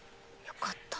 良かった。